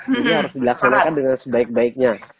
jadi harus dilaksanakan dengan sebaik baiknya